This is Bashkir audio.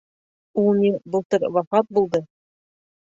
— Ул ни, былтыр вафат булды.